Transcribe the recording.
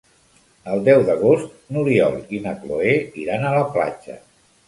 El deu d'agost n'Oriol i na Cloè iran a la platja.